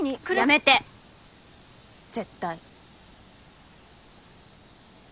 やめて絶対。